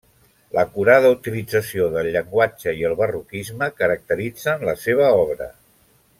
L'acurada utilització del llenguatge i el barroquisme caracteritzen la seva obra.